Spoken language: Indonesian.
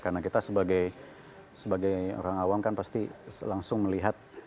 karena kita sebagai orang awam kan pasti langsung melihat